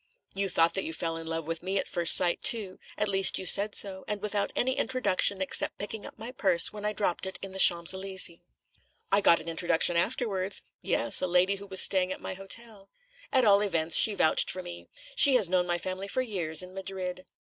"You thought that you fell in love with me at first sight, too; at least, you said so, and without any introduction except picking up my purse when I dropped it in the Champs Élysées." "I got an introduction afterwards." "Yes, a lady who was staying at my hotel." "At all events, she vouched for me. She has known my family for years, in Madrid."